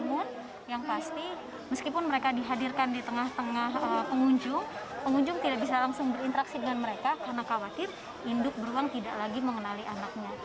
namun yang pasti meskipun mereka dihadirkan di tengah tengah pengunjung pengunjung tidak bisa langsung berinteraksi dengan mereka karena khawatir induk beruang tidak lagi mengenali anaknya